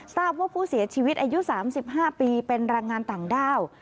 ทราบว่าผู้เสียชีวิตอายุ๓๕ปีเป็นแรงงานต่างด้าว